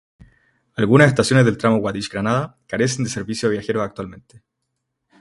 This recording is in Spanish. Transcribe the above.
Algunas estaciones del tramo Guadix-Granada carecen de servicio de viajeros actualmente.